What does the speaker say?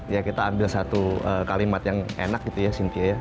ya kita ambil satu kalimat yang enak gitu ya cynthia ya